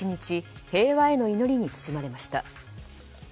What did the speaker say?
平和への祈りに包まれました。